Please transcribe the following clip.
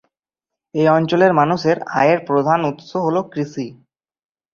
এ অঞ্চলের মানুষের আয়ের প্রধান উৎস হল কৃষি।